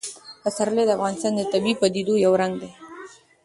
پسرلی د افغانستان د طبیعي پدیدو یو رنګ دی.